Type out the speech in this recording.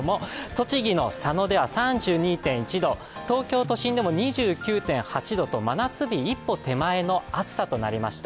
栃木の佐野では３２．１度東京都心でも２９．８度と真夏日一歩手前の暑さとなりました。